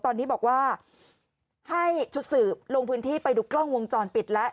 ตอนนี้บอกว่าให้ชุดสืบลงพื้นที่ไปดูกล้องวงจรปิดแล้ว